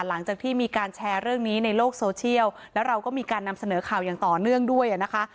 หลังจากที่มีการแชร์เรื่องนี้ในโลกโซเชียลแล้วเราก็มีการนำเสนอข่าวอย่างต่อเนื่องด้วยนะคะ